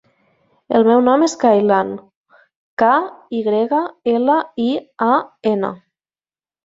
El meu nom és Kylian: ca, i grega, ela, i, a, ena.